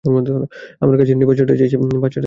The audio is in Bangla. আমার কাছে নেই,, বাচ্চাটা চাইছে।